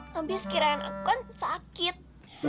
tapi sekiranya aku kan sakit ya